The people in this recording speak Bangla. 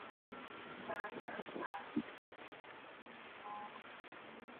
হারামীটাকে না চেনার ভান করে কথা বলছিলাম।